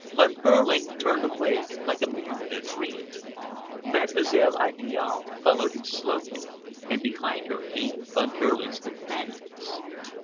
Von Behrling turned away like a man in a dream. Mademoiselle Idiale followed him slowly, and behind her came Von Behrling's companions.